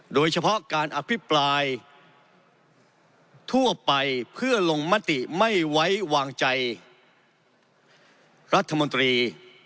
โดยเฉพาะการอภิปรายทั่วไปเพื่อลงมติไม่ไว้วางใจรัฐมนตรี